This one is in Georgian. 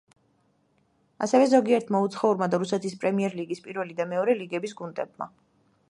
ასევე ზოგიერთმა უცხოურმა და რუსეთის პრემიერ-ლიგის, პირველი და მეორე ლიგების გუნდებმა.